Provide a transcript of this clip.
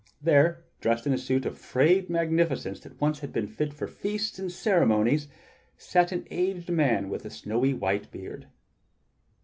There, dressed in a suit of frayed magnificence that once had been fit for feasts and ceremonies, sat an aged man with a snowy white beard.